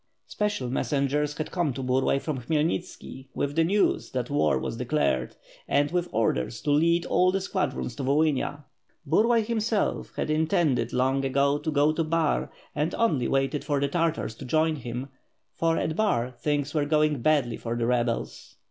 Special messengers had come to Burlay from Khmyelnitski with the news that war was declared, and with orders to lead all the squadrons to Volhynia. Burlay, himself, had intended long ago to go to Bar, and only waited for the Tartars to join him, for at Bax things were going badly for the rebels.